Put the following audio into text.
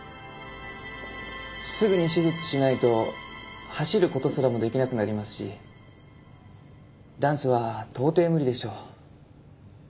すぐに手術しないと走ることすらもできなくなりますしダンスは到底無理でしょう。